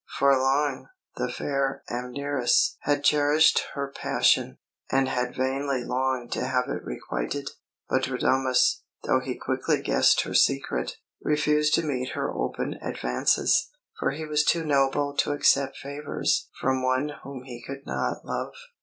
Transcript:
For long, the fair Amneris had cherished her passion, and had vainly longed to have it requited; but Radames, though he quickly guessed her secret, refused to meet her open advances, for he was too noble to accept favours from one whom he could not love.